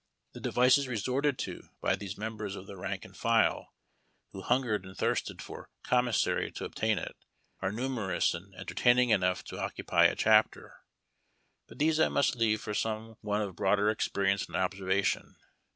The devices resorted to by those members of the rank and file who hungered and thirsted for comiimsarij to obtain it, are numerous and entertaining enough to occupy a cha})ter ; but these I must leave for some one of broader experience and observation.